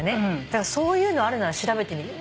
だからそういうのあるなら調べてみる。